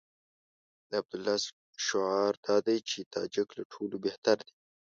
د عبدالله شعار دا دی چې تاجک له ټولو بهتر دي.